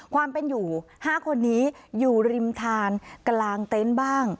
ความเป็นอยู่๕คนนี้อยู่ริมทานกลางเต็นต์บ้าง